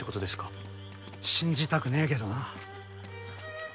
信じたくねえけどな。